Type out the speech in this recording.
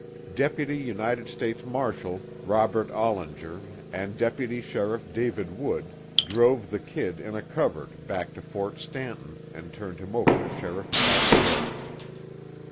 Deputy United States Marshall, Robert Ollinger, and Deputy Sheriff David Wood, drove the "Kid" in a covered back to Fort Stanton, and turned him over to Sheriff Pat Garrett.